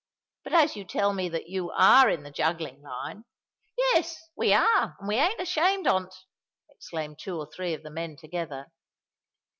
"But as you tell me that you are in the juggling line——" "Yes—we are; and we ain't ashamed on't," exclaimed two or three of the men together.